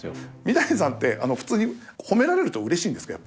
三谷さんってあの普通に褒められるとうれしいんですか？